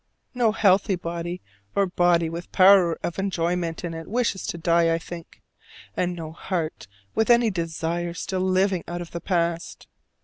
No healthy body, or body with power of enjoyment in it, wishes to die, I think: and no heart with any desire still living out of the past.